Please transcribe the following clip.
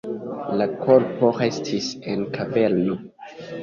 La korpo restis en kaverno.